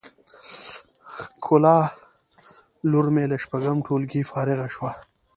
ښکلا لور می له شپږم ټولګی فارغه شوه